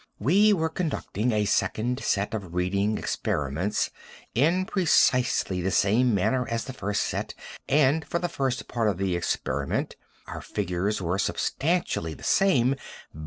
We were conducting a second set of reading experiments, in precisely the same manner as the first set, and, for the first part of the experiment, our figures were substantially the same.